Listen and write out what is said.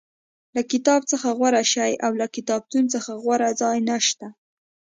له کتاب څخه غوره شی او له کتابتون څخه غوره ځای نشته.